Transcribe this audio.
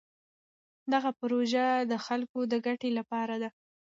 دغه پروژه د خلکو د ګټې لپاره ده.